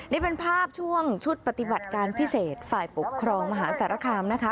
นี่เป็นภาพช่วงชุดปฏิบัติการพิเศษฝ่ายปกครองมหาสารคามนะคะ